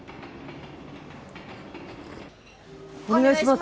お願いします！